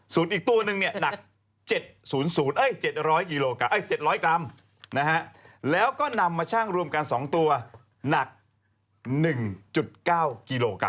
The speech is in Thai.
ส่วนอีกตัวนึงเนี่ยหนัก๗๐๐๗๐๐๗๐๐กรัมแล้วก็นำมาชั่งรวมกัน๒ตัวหนัก๑๙กิโลกรั